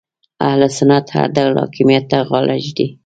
اهل سنت هر ډول حاکمیت ته غاړه ږدي